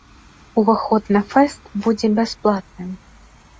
Уваход на фэст будзе бясплатным.